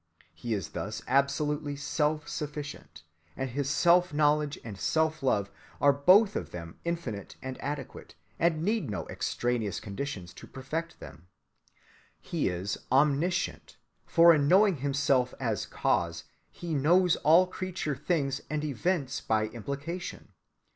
He is thus absolutely self‐sufficient: his self‐knowledge and self‐love are both of them infinite and adequate, and need no extraneous conditions to perfect them. He is omniscient, for in knowing himself as Cause He knows all creature things and events by implication.